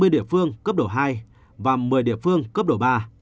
hai mươi địa phương cấp độ hai và một mươi địa phương cấp độ ba